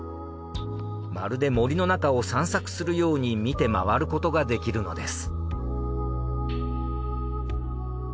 まるで森の中を散策するように見て回ることができるのです。